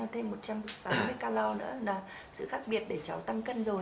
thêm một trăm tám mươi calor nữa là sự khác biệt để cháu tăng cân rồi